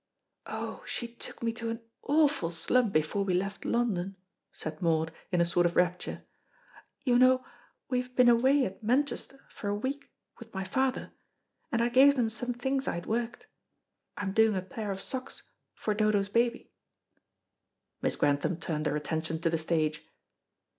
"Oh, she took me to an awful slum before we left London," said Maud, in a sort of rapture "you know we have been away at Manchester for a week with my father and I gave them some things I had worked. I am doing a pair of socks for Dodo's baby." Miss Grantham turned her attention to the stage.